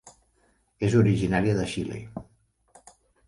És originària de Xile.